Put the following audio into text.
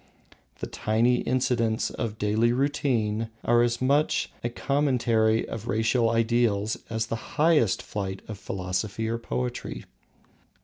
The tiny incidents of daily routine are as much a commentary of racial ideals as the highest flight of philosophy or poetry.